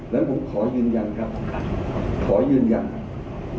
และผมขอยืนยันครับขอยืนยัน